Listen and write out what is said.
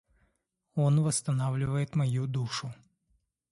Он восстанавливает мою душу.